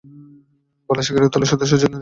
Bangladesh cricket দলের সদস্য ছিলেন তিনি।